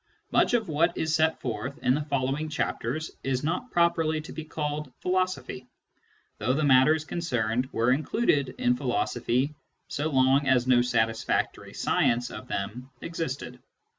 Much of what is set forth in the following chapters is not properly to be called " philosophy," though the matters concerned were included in philosophy so long as no satisfactory science of them existed.